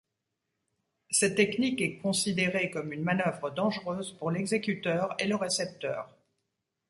Cette technique est considérée comme une manœuvre dangereuse pour l'exécuteur et le récepteur.